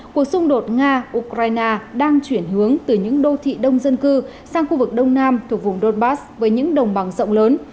cuộc xung đột nga ukraine đang chuyển hướng từ những đô thị đông dân cư sang khu vực đông nam thuộc vùng donbass với những đồng bằng rộng lớn